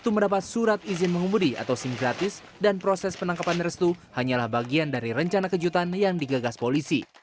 mendapat surat izin mengemudi atau sim gratis dan proses penangkapan restu hanyalah bagian dari rencana kejutan yang digagas polisi